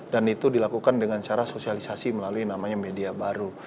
dan itu dilakukan dengan cara sosialisasi melalui namanya media baru